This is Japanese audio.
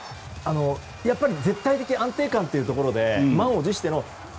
絶対的安定感というところで満を持しての。